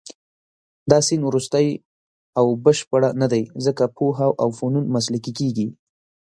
دا سیند وروستۍ او بشپړه نه دی، ځکه پوهه او فنون مسلکي کېږي.